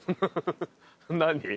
何？